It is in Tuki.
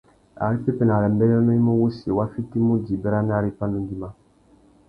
Ari pepenarâmbérénô i mú wussi, wa fitimú djï béranari pandú ngüima.